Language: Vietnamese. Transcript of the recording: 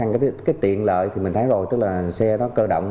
cái tiện lợi thì mình thấy rồi tức là xe đó cơ động